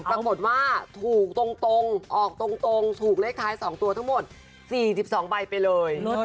ปรากฏว่าถูกตรงออกตรงถูกเลขท้าย๒ตัวทั้งหมด๔๒ใบไปเลย